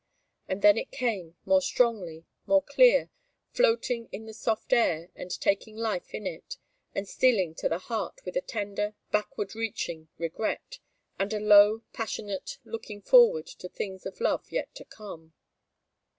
And again it came, more strongly, more clear, floating in the soft air and taking life in it, and stealing to the heart with a tender, backward reaching regret, with a low, passionate looking forward to things of love yet to come.